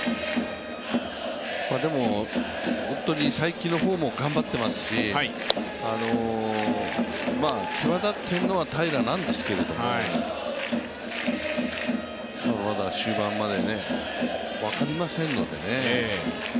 でも本当に才木の方も頑張っていますし、際立っているのは平良なんですけれども、まだまだ終盤まで分かりませんのでね。